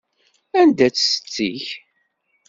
Anda-tt setti-k?